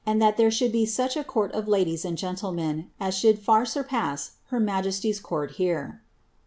15 it there should be such a court of ladies and gentlemen as should lass her majesty's court here."